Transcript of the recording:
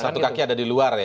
satu kaki ada di luar ya